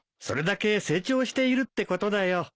それだけ成長しているってことだよ。